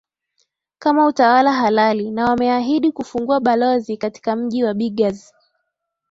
kama utawala halali na wameahidi kufungua balozi katika mji wa bigaz